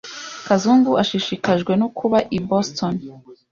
Kazungu ashishikajwe no kuba i Boston.